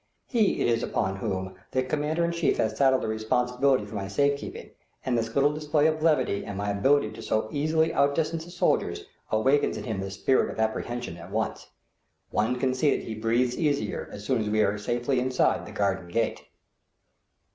He it is upon whom the commander in chief has saddled the responsibility for my safe keeping, and this little display of levity and my ability to so easily out distance the soldiers, awakens in him the spirit of apprehension at once. One can see that he breathes easier as soon as we are safely inside the garden gate.